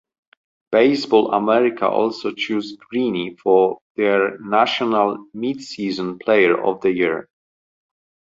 "Baseball America" also chose Greene for their National Midseason Player of the Year.